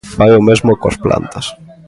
Fai o mesmo coas plantas.